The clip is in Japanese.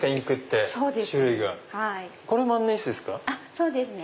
そうですね。